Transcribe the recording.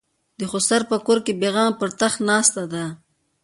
د خسر په کور بېغمه پر تخت ناسته ده.